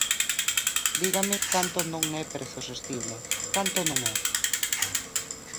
Dígame canto non é prezo sostible, ¿canto non é?